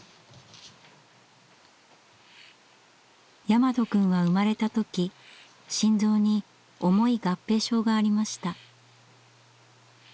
大和くんは生まれた時心臓に重い合併症がありました。